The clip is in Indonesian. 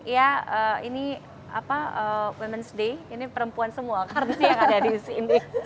ini women s day ini perempuan semua karena yang ada disini